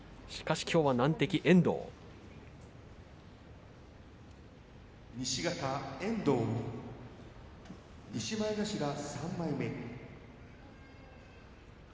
しかしきょうは難敵、遠藤戦です。